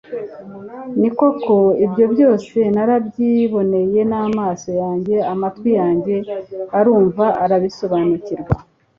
ni koko, ibyo byose narabyiboneye n'amaso yanjye, amatwi yanjye arabyumva, arabisobanukirwa